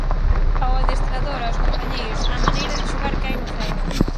Ao adestrador, aos compañeiros, á maneira de xogar que hai no Celta.